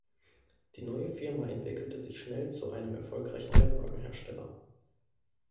Die neue Firma entwickelte sich schnell zu einem erfolgreichen Rennwagen-Hersteller.